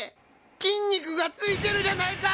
筋肉がついてるじゃないか！